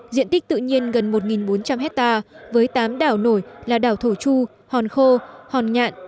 diện tích tự nhiên gần một bốn trăm linh hectare với tám đảo nổi là đảo thổ chu hòn khô hòn nhạn